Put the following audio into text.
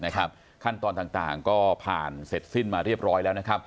ขั้นตอนต่างก็ผ่านเสร็จสิ้นมาเรียบร้อยแล้วนะครับ